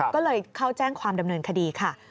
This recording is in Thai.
ก็เลยเข้าแจ้งความดำเนินคดีค่ะ